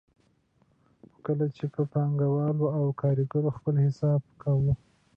خو کله چې به پانګوال او کارګر خپل حساب سره کاوه